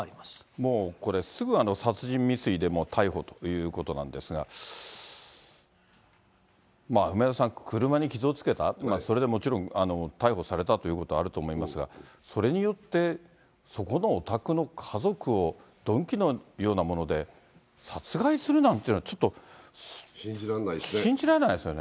もう、これ、すぐ殺人未遂で逮捕ということなんですが、梅沢さん、車に傷をつけた、それでもちろん逮捕されたということはあると思いますが、それによって、そこのお宅の家族を鈍器のようなもので殺害するなんていうのは、信じられないですね。